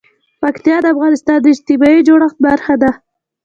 پکتیا د افغانستان د اجتماعي جوړښت برخه ده.